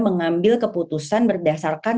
mengambil keputusan berdasarkan